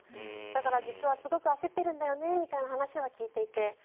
だから、実はすごく焦っているんだよねみたいな話は聞いていて。